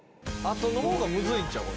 あとの方がむずいんちゃう？